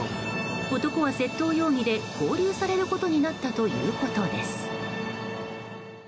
男は窃盗容疑で勾留されることになったということです。